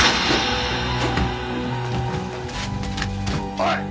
おい！